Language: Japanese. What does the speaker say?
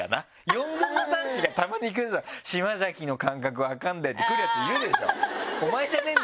４軍の男子がたまに来る「島崎の感覚分かるんだよ」って来るやついるでしょ？